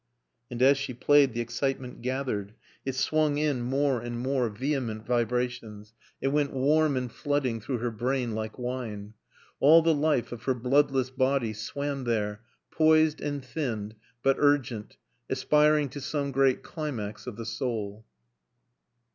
And as she played the excitement gathered; it swung in more and more vehement vibrations; it went warm and flooding through her brain like wine. All the life of her bloodless body swam there, poised and thinned, but urgent, aspiring to some great climax of the soul.